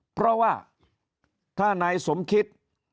เพราะว่าถ้านายสมคิด